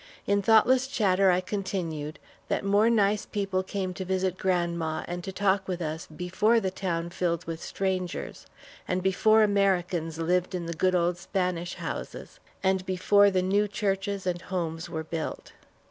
In thoughtless chatter I continued, that more nice people came to visit grandma and to talk with us before the town filled with strangers, and before Americans lived in the good old Spanish houses, and before the new churches and homes were built.